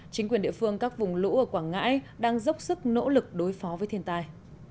chính quyền địa phương các vùng lũ ở quảng ngãi đang dốc sức nỗ lực đối phó với thiên tai